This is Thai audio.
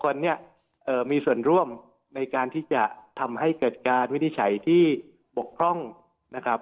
วันนี้มีส่วนร่วมในการที่จะทำให้เกิดการวินิจฉัยที่บกพร่องนะครับ